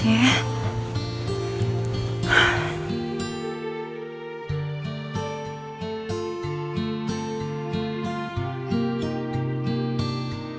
kenapa pum disertai pelan